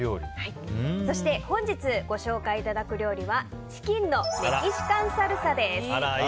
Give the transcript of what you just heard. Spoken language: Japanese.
そして本日ご紹介いただく料理はチキンのメキシカンサルサです。